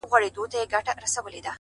• ستنيدل به په بېغمه زړه تر کوره,